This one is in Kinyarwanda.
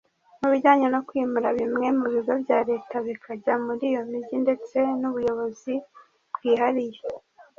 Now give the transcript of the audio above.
Mu bijyanye no kwimura bimwe mu bigo bya Leta bikajya muri iyo mijyi ndetse n’ubuyobozi bwihariye